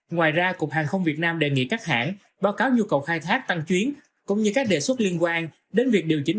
ngoài ra cục hàng không việt nam đề nghị các hãng báo cáo nhu cầu khai thác tăng chuyến cũng như các đề xuất liên quan đến việc điều chỉnh